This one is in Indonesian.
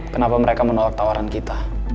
kenapa mereka menolak tawaran kita